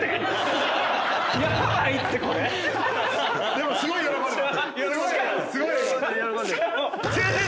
でもすごい喜んでる。